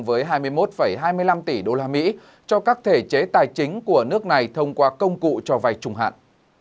với hai mươi một hai mươi năm tỷ đô la mỹ cho các thể chế tài chính của nước này thông qua công cụ cho vay trung hạn